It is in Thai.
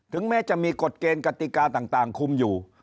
แม้จะมีกฎเกณฑ์กติกาต่างคุมอยู่